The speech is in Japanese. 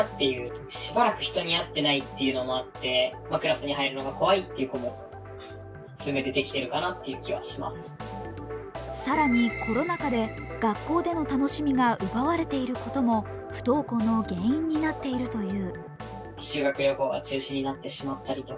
その理由は更に、コロナ禍で学校での楽しみが奪われていることも不登校の原因になっているという。